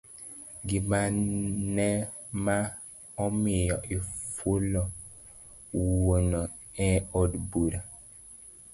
gimane ma omiyo ifulo wuonu e od bura.